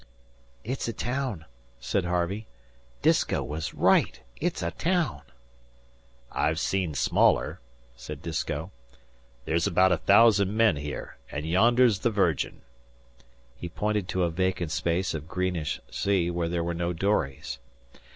"It's a town," said Harvey. "Disko was right. It IS a town!" "I've seen smaller," said Disko. "There's about a thousand men here; an' yonder's the Virgin." He pointed to a vacant space of greenish sea, where there were no dories.